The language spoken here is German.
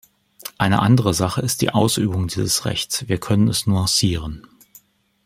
Eine andere Sache ist die Ausübung dieses Rechts, wir können es nuancieren.